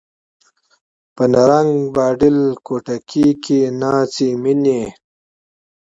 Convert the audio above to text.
په نرنګ، باډېل کوټکي کښي ناڅي میني